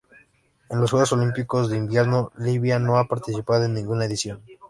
En los Juegos Olímpicos de Invierno Libia no ha participado en ninguna edición.